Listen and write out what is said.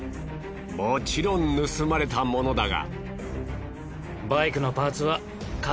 もちろん盗まれた物だが。